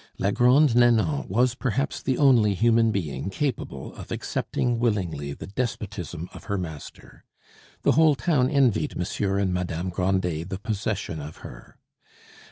La Grande Nanon was perhaps the only human being capable of accepting willingly the despotism of her master. The whole town envied Monsieur and Madame Grandet the possession of her.